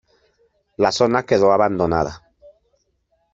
La zona quedó abandonada.